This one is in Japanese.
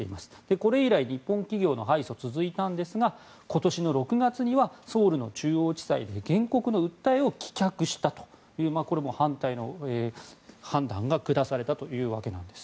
これ以来、日本企業の敗訴が続いたんですが今年の６月にはソウルの中央地裁で原告の訴えを棄却したというこれも反対の判断が下されたというわけです。